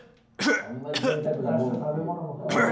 あんまり贅沢なもの。出した食べ物も含めて。